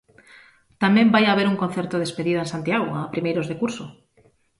Tamén vai haber un concerto de despedida en Santiago, a primeiros de curso.